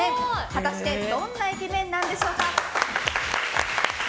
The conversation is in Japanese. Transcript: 果たしてどんなイケメンなのでしょうか？